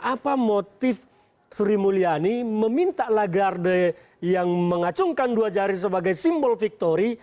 apa motif sri mulyani meminta lagarde yang mengacungkan dua jari sebagai simbol victori